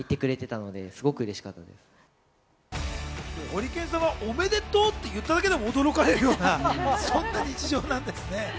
ホリケンさんは「おめでとう」って言っただけで驚かれるような、そんな日常なんですね。